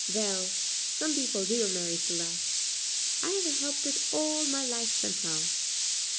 "Well, some people do, Marie Celeste I have helped it all my life somehow."